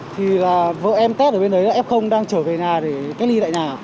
thì là vợ em tết ở bên đấy là f đang trở về nhà để cách ly tại nhà